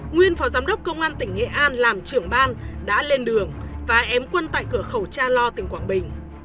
nguyên phó giám đốc công an tỉnh nghệ an làm trưởng ban đã lên đường và ém quân tại cửa khẩu cha lo tỉnh quảng bình